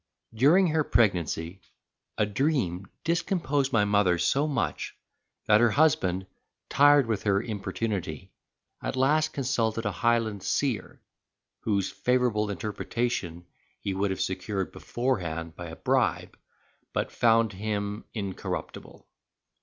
During her pregnancy, a dream discomposed my mother so much that her husband, tired with her importunity, at last consulted a highland seer, whose favourable interpretation he would have secured beforehand by a bribe, but found him incorruptible.